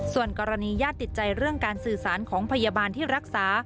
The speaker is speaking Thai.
ส่วนกรณีญาติติดใจเรื่องการสื่อสารของพยาบาลที่รักษา